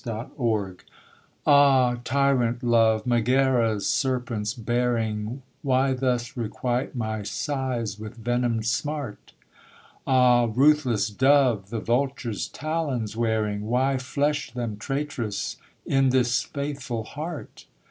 1586 Ah tyrant Love, Megaera's serpents bearing, Why thus requite my sighs with venom'd smart? Ah ruthless dove, the vulture's talons wearing, Why flesh them, traitress, in this faithful heart?